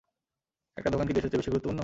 একটা দোকান কি দেশের চেয়ে বেশি গুরুত্বপূর্ণ?